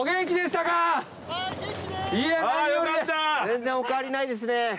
全然お変わりないですね。